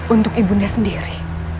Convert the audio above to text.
untuk ibu undang sendiri